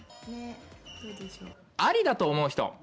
ありだと思う人？